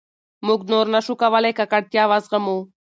موږ نور نه شو کولای ککړتیا وزغمو.